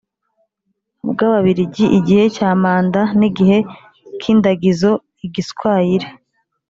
bw Ababirigi Igihe cya manda n igihe k indagizo igiswayire